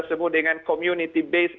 sebut dengan community based